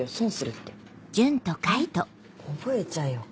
覚えちゃえよ。